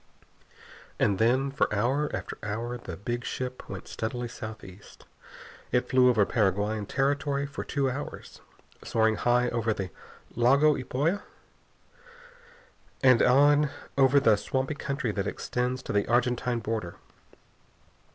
And then, for hour after hour, the big ship went steadily southeast. It flew over Paraguayan territory for two hours, soaring high over the Lago Ypoa and on over the swampy country that extends to the Argentine border.